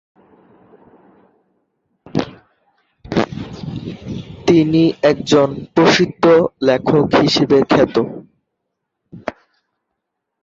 তিনি একজন প্রসিদ্ধ লেখক হিসাবে খ্যাত।